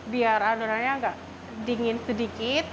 biar adonannya agak dingin sedikit